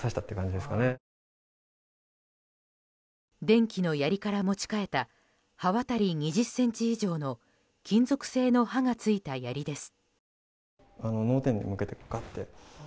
電気のやりから持ち替えた刃渡り２０ｃｍ以上の金属製の刃がついたやりです。